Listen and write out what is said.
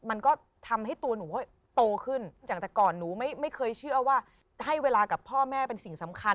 มันก็ทำให้ตัวหนูโตขึ้นอย่างแต่ก่อนหนูไม่เคยเชื่อว่าให้เวลากับพ่อแม่เป็นสิ่งสำคัญ